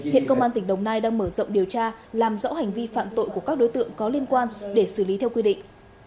hiện công an tỉnh đồng nai đang mở rộng điều tra làm rõ hành vi phạm tội của các đối tượng có liên quan để xử lý theo quy định